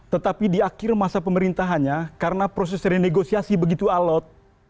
tetapi di akhir masa pemerintahannya karena proses renegosiasi begitu alot